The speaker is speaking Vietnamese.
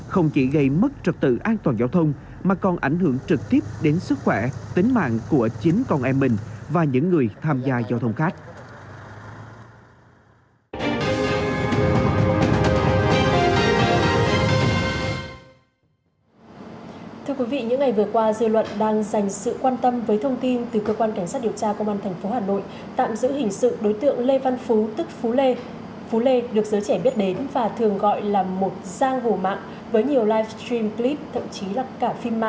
không chỉ gây mất trật tự an toàn giao thông mà còn ảnh hưởng trực tiếp đến sức khỏe tính mạng của chính con em mình và những người tham gia giao thông khác